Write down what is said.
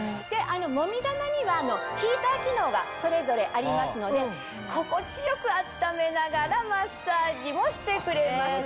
もみ玉にはヒーター機能がそれぞれありますので心地よく温めながらマッサージもしてくれます。